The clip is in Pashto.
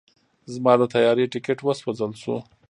زما د طیارې ټیکټ وسوځل شو.